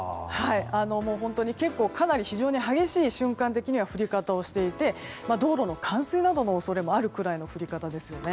本当に瞬間的には非常に激しい降り方をしていて道路の冠水などの恐れもあるくらいの降り方です。